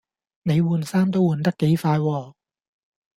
你換衫都換得幾快喎